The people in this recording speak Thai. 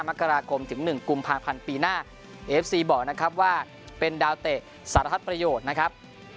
มกราคมถึง๑กุมภาพันธ์ปีหน้าเอฟซีบอกนะครับว่าเป็นดาวเตะสารพัดประโยชน์นะครับ